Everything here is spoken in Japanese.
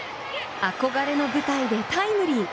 憧れの舞台でタイムリー。